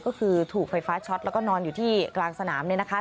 ก็คือถูกไฟฟ้าช็อตแล้วก็นอนอยู่ที่กลางสนามเนี่ยนะคะ